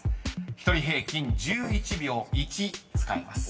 ［１人平均１１秒１使えます］